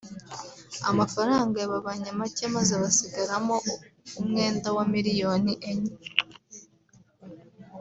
amafaranga yababanye make maze basigaramo umwenda wa miliyoni enye